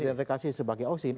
identifikasi sebagai ausin